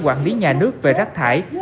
quản lý nhà nước về rác thải